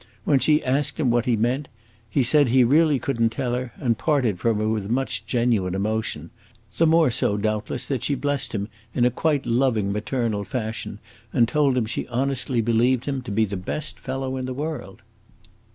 When she asked him what he meant, he said he really could n't tell her, and parted from her with much genuine emotion; the more so, doubtless, that she blessed him in a quite loving, maternal fashion, and told him she honestly believed him to be the best fellow in the world.